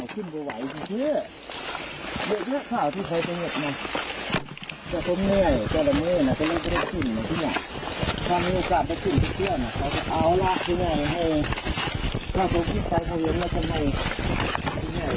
ถ้าไม่มีโอกาสไปกินพี่เพื่อนเขาก็เอารักที่ไหนถ้าตัวพี่ใส่เขายังว่าทำไม